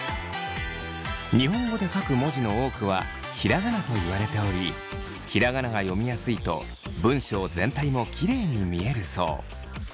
日本語で書く文字の多くはひらがなと言われておりひらがなが読みやすいと文章全体もきれいに見えるそう。